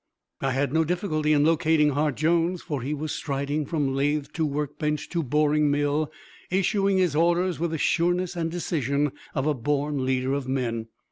I had no difficulty in locating Hart Jones, for he was striding from lathe to workbench to boring mill, issuing his orders with the sureness and decision of a born leader of men.